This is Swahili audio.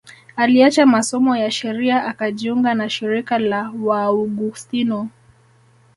Aliacha masomo ya sheria akajiunga na shirika la Waaugustino